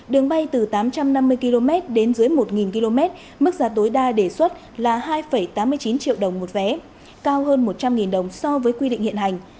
đường bay từ một km đến dưới một km mức giá tối đa đề xuất là hai tám mươi chín triệu đồng một vé cao hơn một trăm linh đồng so với quy định hiện hành